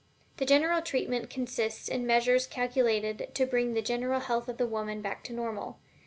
The general treatment consists in measures calculated to bring the general health of the woman back to the normal.